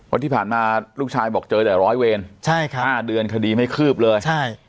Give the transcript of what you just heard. ที่ผ่านมาลูกชายบอกเจอแต่ร้อยเวรใช่ครับ๕เดือนคดีไม่คืบเลยใช่